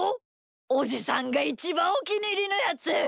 おじさんがいちばんおきにいりのやつ。